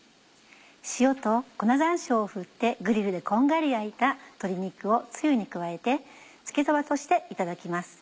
塩と粉山椒を振ってグリルでこんがり焼いた鶏肉をつゆに加えてつけそばとしていただきます。